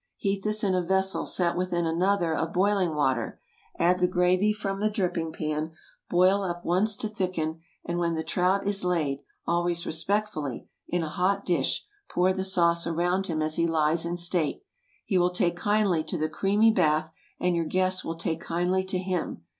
Heat this in a vessel set within another of boiling water, add the gravy from the dripping pan, boil up once to thicken, and when the trout is laid—always respectfully—in a hot dish, pour the sauce around him as he lies in state. He will take kindly to the creamy bath, and your guests will take kindly to him.